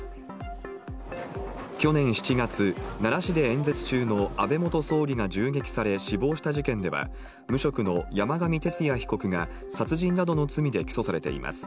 去年７月、奈良市で演説中の安倍元総理が銃撃され死亡した事件では、無職の山上徹也被告が殺人などの罪で起訴されています。